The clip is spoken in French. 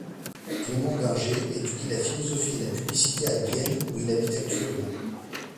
Clemens Berger étudie la philosophie et la publicité à Vienne, où il habite actuellement.